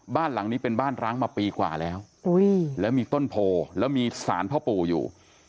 บ้านหลังนี้เป็นบ้านร้างมาปีกว่าแล้วแล้วมีต้นโพแล้วมีสารพ่อปู่อยู่